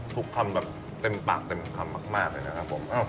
คำแบบเต็มปากเต็มคำมากเลยนะครับผม